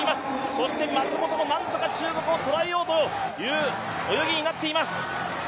そして松元もなんとか中国をとらえようという泳ぎになっています。